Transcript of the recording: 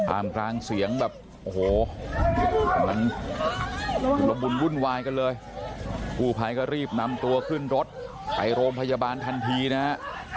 อามรางเสียงแบบโอ้โหมันรบบุญวุ่นวายกันเลยผู้ภัยก็รีบนำตัวขึ้นรถไปโรมพยาบาลทันทีนะฮะ